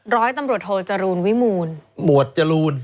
ร้อยตำรวจโทจรูลวิมูลหมวดจรูน